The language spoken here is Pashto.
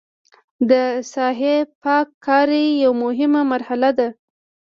د ساحې پاک کاري یوه مهمه مرحله ده